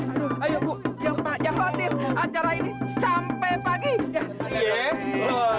aduh ayo bu ya pak jangan khawatir acara ini sampai pagi ya